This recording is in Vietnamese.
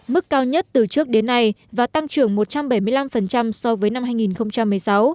mức cao nhất từ trước đến nay và tăng trưởng một trăm bảy mươi năm so với năm hai nghìn một mươi sáu